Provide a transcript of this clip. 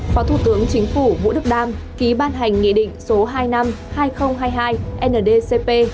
phó thủ tướng chính phủ vũ đức đam ký ban hành nghị định số hai năm hai nghìn hai mươi hai ndcp